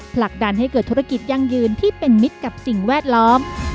ผลักดันให้เกิดธุรกิจยั่งยืนที่เป็นมิตรกับสิ่งแวดล้อม